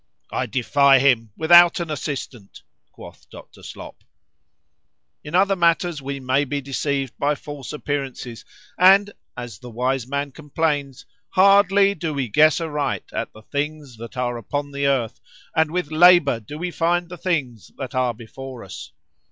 [I defy him, without an assistant, quoth Dr. Slop.] "In other matters we may be deceived by false appearances; and, as the wise man complains, _hardly do we guess aright at the things that are upon the earth, and with labour do we find the things that are before us.